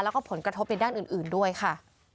แล้วก็ผลกระทบในด้านอื่นด้วยค่ะ